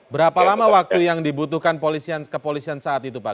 berapa lama waktu yang dibutuhkan kepolisian saat itu pak